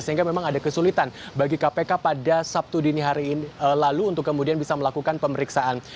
sehingga memang ada kesulitan bagi kpk pada sabtu dini hari lalu untuk kemudian bisa melakukan pemeriksaan